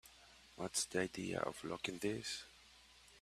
What's the idea of locking this?